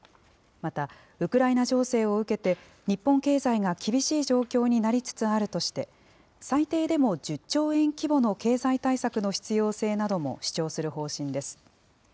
またウクライナ情勢を受けて、日本経済が厳しい状況になりつつあるとして、最低でも１０兆円規模の経済対策の必要性なども主張する方針です。